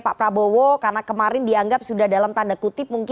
tetapi hanya sekarang penggoda belanda tinggal langsung menangguti leg semi